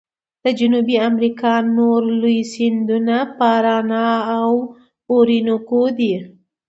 د جنوبي امریکا نور لوی سیندونه پارانا او اورینوکو دي.